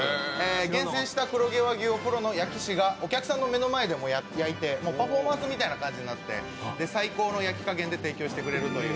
厳選した黒毛和牛をプロの焼き師がお客さんの前で焼いてパフォーマンスみたいになって最高の焼き加減で提供してくれるという。